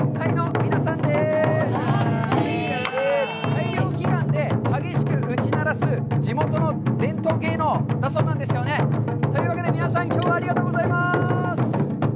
大漁祈願で激しく打ち鳴らす、地元の伝統芸能なんだそうなんですよね。というわけで皆さん、きょうはありがとうございます。